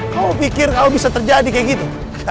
kamu pikir kamu bisa terjadi kaya gini